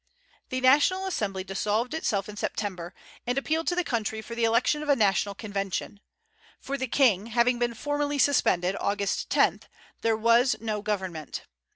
The National Assembly dissolved itself in September, and appealed to the country for the election of a National Convention; for, the King having been formally suspended Aug. 10, there was no government.